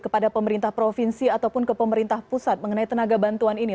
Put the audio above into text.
kepada pemerintah provinsi ataupun ke pemerintah pusat mengenai tenaga bantuan ini